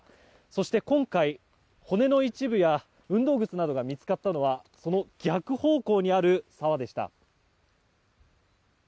そして、今回、骨の一部や運動靴などが見つかったのはその逆方向にある沢でした。